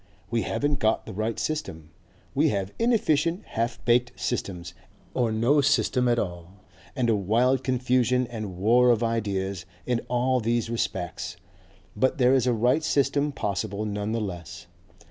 We haven't got the right system, we have inefficient half baked systems, or no system at all, and a wild confusion and war of ideas in all these respects. But there is a right system possible none the less.